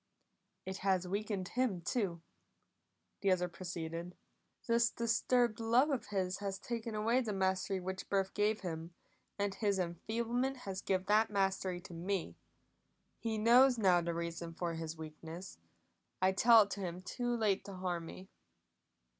"It has weakened him, too," the other proceeded. "This disturbed love of his has taken away the mastery which birth gave him, and his enfeeblement has given that mastery to me. He knows now the reason for his weakness; I tell it to him too late to harm me."